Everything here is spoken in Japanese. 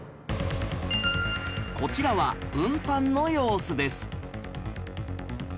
こちらは運搬の様子です